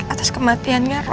atas kematiannya roy